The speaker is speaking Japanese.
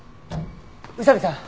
宇佐見さん